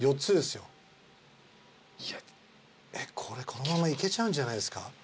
これこのままいけちゃうんじゃないですか？